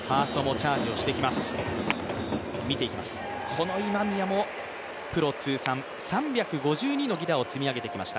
この今宮もプロ通算３５２の犠打を積み上げてきました。